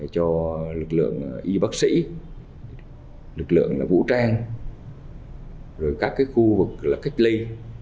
cho lực lượng y bác sĩ lực lượng vũ trang các khu vực cách ly